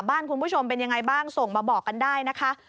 คุณผู้ชมเป็นยังไงบ้างส่งมาบอกกันได้นะคะ